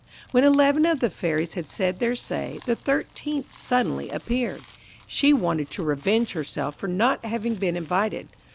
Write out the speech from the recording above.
When eleven of the fairies had said their say, the thirteenth suddenly appeared. She wanted to revenge herself for not having been invited.